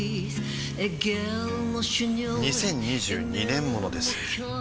２０２２年モノです